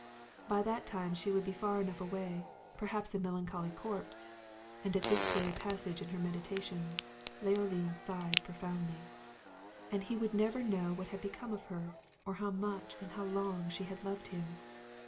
By that time she would be far enough away, perhaps a melancholy corpse (and at this dreary passage in her meditations, Leoline sighed profoundly), and he would never know what had become of her, or how much and how long she had loved him.